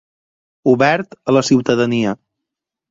Obert a la ciutadania.